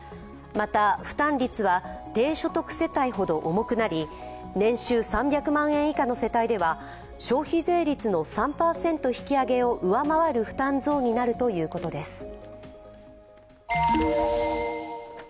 また、負担率は低所得世帯ほど重くなり年収３００万円以下の世帯では消費税率の３％引き上げを上回る負担増になるということです。